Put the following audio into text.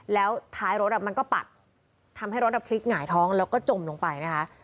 แล้วท้ายรถมันก็ปัดทำให้รถพลิกหงายท้องแล้วก็จมลงไปนะคะ